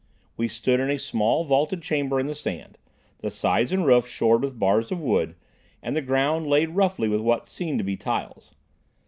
We stood in a small vaulted chamber in the sand, the sides and roof shored with bars of wood, and the ground laid roughly with what seemed to be tiles.